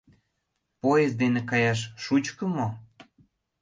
— Поезд дене каяш шучко мо?